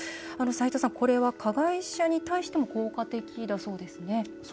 斉藤さん、これは加害者に対しても効果的だそうですね。